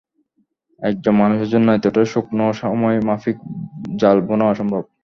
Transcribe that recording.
একজন মানুষের জন্য এতটা সূক্ষ্ম সময় মাফিক জাল বোনা অসম্ভব।